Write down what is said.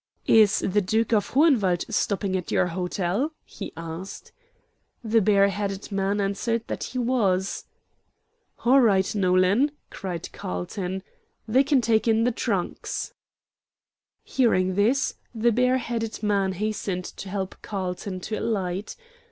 "Is the Duke of Hohenwald stopping at your hotel?" he asked. The bareheaded man answered that he was. "All right, Nolan," cried Carlton. "They can take in the trunks." Hearing this, the bareheaded man hastened to help Carlton to alight.